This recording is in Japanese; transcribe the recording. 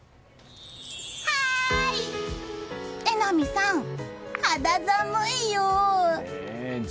はーい！榎並さん肌寒いよ。